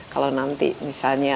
kalau nanti misalnya